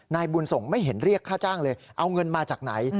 นายบุญส่งไม่เห็นเรียกค่าจ้างเลยเอาเงินมาจากไหน